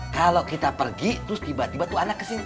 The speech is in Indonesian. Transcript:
kalau kita pergi terus tiba tiba tuh anak kesini